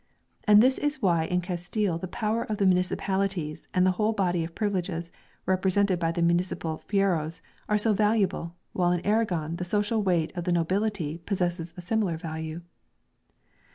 And this is why in Castile the power of the municipalities and the whole body of privileges represented by the municipal " fueros " are so valuable, while in Aragon the social weight of the nobility possesses a similar value.